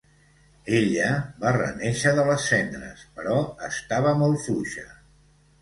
Ella va renéixer de les cendres, però estava molt fluixa.